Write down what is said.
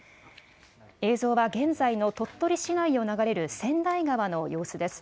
映像は現在の鳥取市内を流れる千代川の様子です。